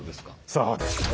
そうですね。